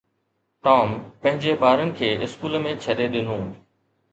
Tom پنهنجي ٻارن کي اسڪول ۾ ڇڏي ڏنو.